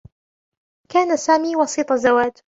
كان سامي وسيط زواج.